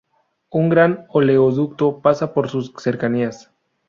Un gran oleoducto pasa por sus cercanías.